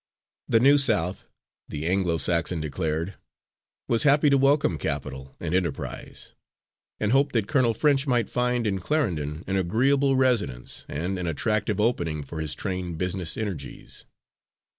The New South, the Anglo Saxon declared, was happy to welcome capital and enterprise, and hoped that Colonel French might find, in Clarendon, an agreeable residence, and an attractive opening for his trained business energies.